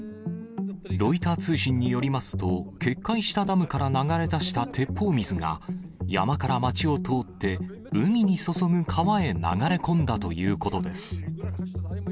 ロイター通信によりますと、決壊したダムから流れ出した鉄砲水が、山から街を通って、海に注ぐ川へ流れ込んだということです。